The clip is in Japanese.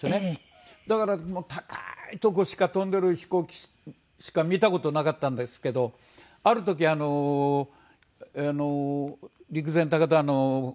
だから高いとこ飛んでる飛行機しか見た事なかったんですけどある時陸前高田の松原